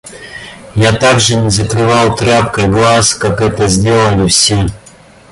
Я также не закрывал тряпкой глаз, как это сделали все.